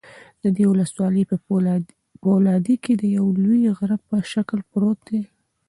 د دې ولسوالۍ په فولادي کې د یوه لوی غره په شکل پروت دى